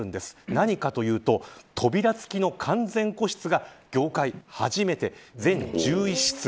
何かというと扉つきの完全個室が業界初めて全１１室。